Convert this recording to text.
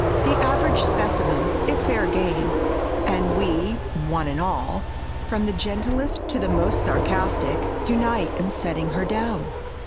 The average specimen is fair game, and we—one and all, from the gentlest to the most sarcastic—unite in "setting her down."